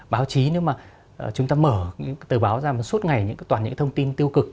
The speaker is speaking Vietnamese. báo chí nếu mà chúng ta mở những tờ báo ra mà suốt ngày toàn những cái thông tin tiêu cực